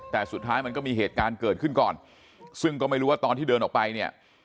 แต่สุดท้ายมันก็มีเหตุการณ์เกิดขึ้นก่อนซึ่งก็ไม่รู้ว่าตอนที่เดินออกไปเนี่ย